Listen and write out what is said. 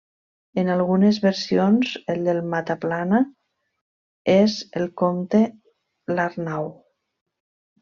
En algunes versions el de Mataplana és el Comte l'Arnau.